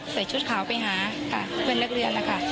ใส่ชุดขาวไปหาเพื่อนนักเรียนอะค่ะ